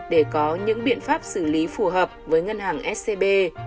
để có những biện pháp xử lý phù hợp với ngân hàng scb